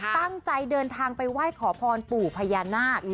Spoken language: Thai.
ตั้งใจเดินทางไปไหว้ขอพรปู่พญานาค